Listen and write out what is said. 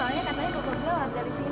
soalnya katanya gue gue gue lagi ada disini